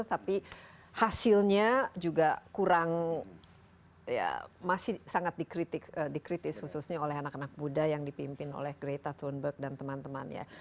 tapi hasilnya juga kurang masih sangat dikritis khususnya oleh anak anak muda yang dipimpin oleh greta tunburg dan teman temannya